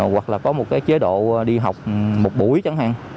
hoặc là có một cái chế độ đi học một buổi chẳng hạn